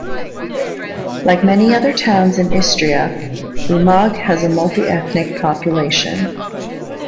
Like many other towns in Istria, Umag has a multi-ethnic population.